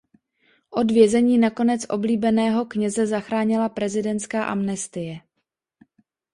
Od vězení nakonec oblíbeného kněze zachránila prezidentská amnestie.